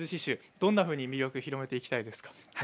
どんなふうに魅力を広めていきたいですか。